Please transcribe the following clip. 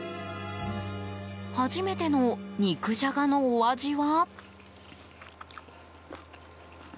初めての肉じゃがのお味は？